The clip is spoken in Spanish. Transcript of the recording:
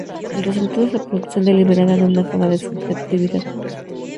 El resultado es la producción deliberada de una forma de subjetividad.